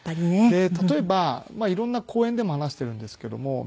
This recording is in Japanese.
で例えば色んな講演でも話しているんですけども。